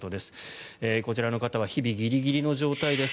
こちらの方は日々ギリギリの状態です。